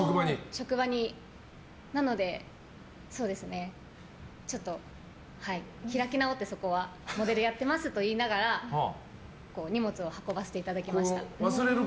なので、開き直ってモデルやってますと言いながら荷物を運ばせていただきました。